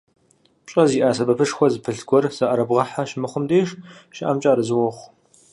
ПщӀэ зиӀэ, сэбэпышхуэ зыпылъ гуэр зыӀэрыбгъэхьэ щымыхъум деж щыӀэмкӀэ арэзы уохъу.